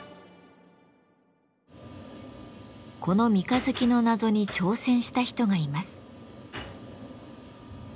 この三日月の謎に挑戦した人がいます。